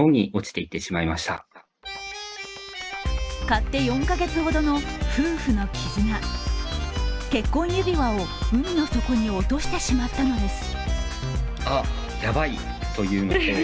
買って４カ月ほどの夫婦の絆、結婚指輪を海の底に落としてしまったのです。